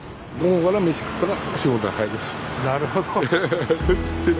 なるほど。